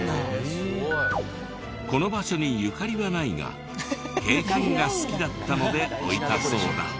この場所にゆかりはないが景観が好きだったので置いたそうだ。